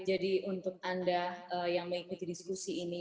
jadi untuk anda yang mengikuti diskusi ini